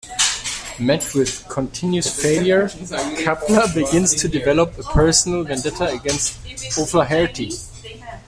Met with continuous failure, Kappler begins to develop a personal vendetta against O'Flaherty.